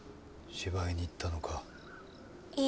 芝居には行ったのか？